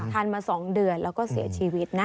ทานมา๒เดือนแล้วก็เสียชีวิตนะ